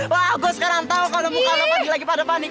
wah gue sekarang tau kalo muka lo padi lagi pada panik